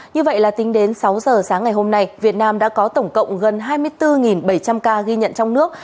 như vậy là tính đến sáu giờ sáng ngày hôm nay việt nam đã có tổng cộng gần hai mươi bốn bảy trăm linh ca ghi nhận trong nước